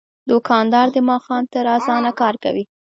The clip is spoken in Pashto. دوکاندار د ماښام تر اذانه کار کوي.